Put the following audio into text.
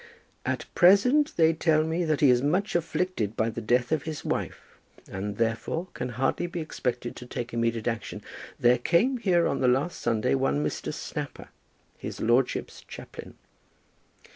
"At present they tell me that he is much afflicted by the death of his wife, and, therefore, can hardly be expected to take immediate action. There came here on the last Sunday one Mr. Snapper, his lordship's chaplain."